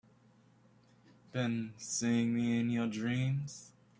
Been seeing me in your dreams?